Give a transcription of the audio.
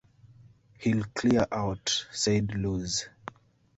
"He'll clear out," said Luz.